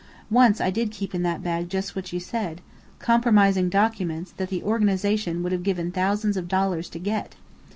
Once I did keep in that bag just what you said: compromising documents, that the organization would have given thousands of dollars to get.